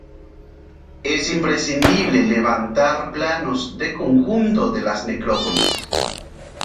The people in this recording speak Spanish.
Es imprescindible levantar planos de conjunto de las necrópolis.